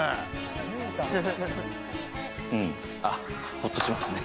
ほっとしますね。